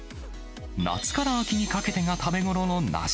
夏から秋にかけてが食べ頃の梨。